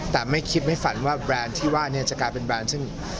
แต่ไม่คิดไม่ฝันว่าแบรนด์ที่ว่าเนี่ยจะกลายเป็นแบรนด์ซึ่ง